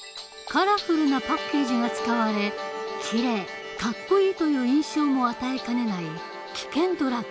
カラフルなパッケージが使われ「きれい」「かっこいい」という印象も与えかねない